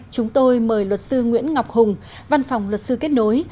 chúng tôi mời luật sư nguyễn ngọc hùng văn phòng luật sư kết nối